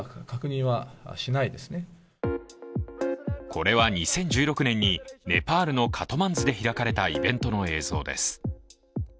これは２０１６年にネパールのカトマンズで開かれたイベントの映像です。